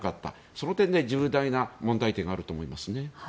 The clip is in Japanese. その点で重大な問題点があると思いますね。